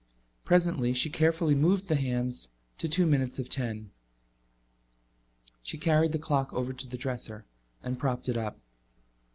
Presently she carefully moved the hands to two minutes of ten. She carried the clock over to the dresser and propped it up.